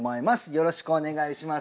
よろしくお願いします